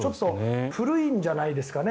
古いんじゃないですかね。